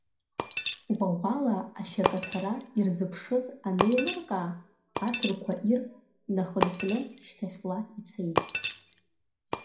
Ӷәаӷәала ашьакаҭәара ирзыԥшыз анеилыркаа, аҭырқәа ир нахынҳәны шьҭахьла ицеит.